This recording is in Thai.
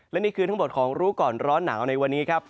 และนี่คือทั้งหมดของรู้ก่อนร้อนหนาวในวันนี้ครับ